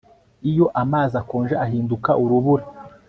Iyo amazi akonje ahinduka urubura